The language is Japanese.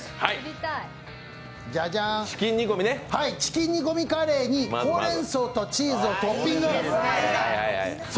じゃじゃん、チキンにこみカレーにほうれんそうとチーズをトッピング。